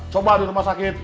coba di rumah sakit